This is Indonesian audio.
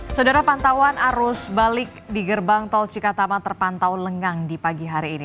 saudara pantauan arus balik di gerbang tol cikatama terpantau lengang di pagi hari ini